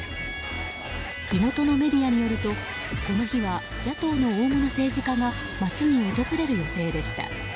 地元のメディアによるとこの日は野党の大物政治家が街に訪れる予定でした。